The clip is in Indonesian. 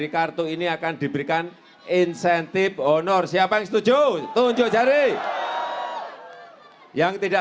karena yang akan dicoblos bajunya